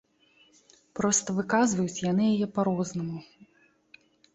Проста выказваюць яны яе па-рознаму.